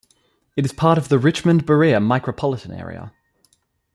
It is part of the Richmond-Berea micropolitan area.